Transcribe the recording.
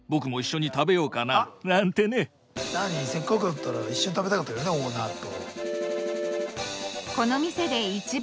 何せっかくだったら一緒に食べたかったけどねオーナーと。